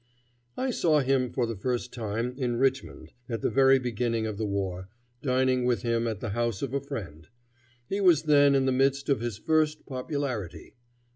I saw him for the first time, in Richmond, at the very beginning of the war, dining with him at the house of a friend. He was then in the midst of his first popularity.